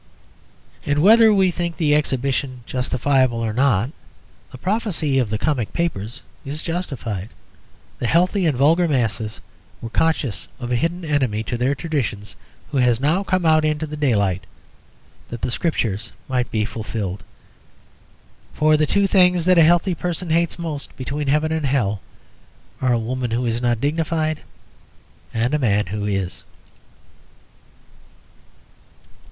And whether we think the exhibition justifiable or not, the prophecy of the comic papers is justified: the healthy and vulgar masses were conscious of a hidden enemy to their traditions who has now come out into the daylight, that the scriptures might be fulfilled. For the two things that a healthy person hates most between heaven and hell are a woman who is not dignified and a man who is.